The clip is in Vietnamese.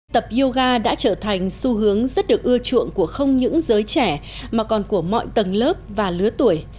tập yoga đã trở thành xu hướng rất được ưa chuộng của không những giới trẻ mà còn của mọi tầng lớp và lứa tuổi